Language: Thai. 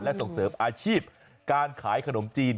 และส่งเสริมอาชีพการขายขนมจีน